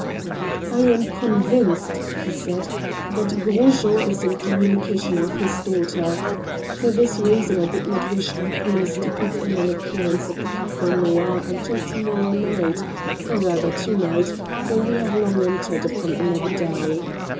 "I am convinced," he said, "that Gros Jean is in communication with his daughter. For this reason I did not wish the police to put in an appearance at the Café Noir until to morrow night, or rather to night, for we have long entered upon another day.